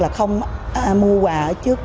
là không mua quà ở trước